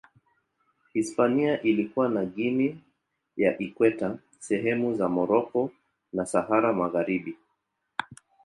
Hispania ilikuwa na Guinea ya Ikweta, sehemu za Moroko na Sahara Magharibi.